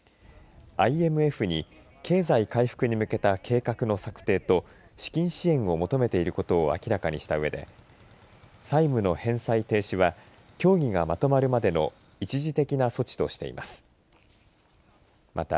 ＩＭＦに経済回復に向けた計画の策定と資金支援を求めていることを明らかにしたうえで債務の返済停止は協議がまとまるまでの一時的な措置としています。